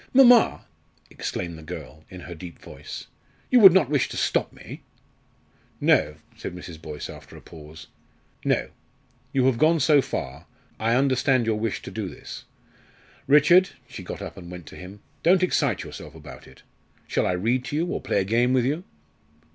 "Mamma," exclaimed the girl, in her deep voice, "you would not wish to stop me?" "No," said Mrs. Boyce, after a pause, "no. You have gone so far, I understand your wish to do this. Richard," she got up and went to him, "don't excite yourself about it; shall I read to you, or play a game with you?"